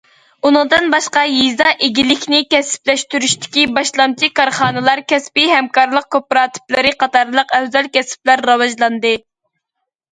ئۇنىڭدىن باشقا يېزا ئىگىلىكىنى كەسىپلەشتۈرۈشتىكى باشلامچى كارخانىلار، كەسپىي ھەمكارلىق كوپىراتىپلىرى قاتارلىق ئەۋزەل كەسىپلەر راۋاجلاندى.